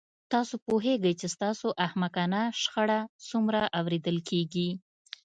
تاسو پوهیږئ چې ستاسو احمقانه شخړه څومره اوریدل کیږي